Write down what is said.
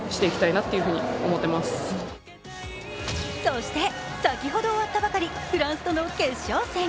そして、先ほど終わったばかり、フランスとの決勝戦。